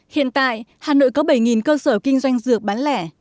hiện tại hà nội có bảy cơ sở kinh doanh dược bán lẻ